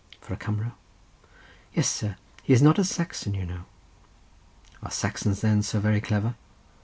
"For a Cumro?" "Yes, sir, he is not a Saxon, you know." "Are Saxons then so very clever?"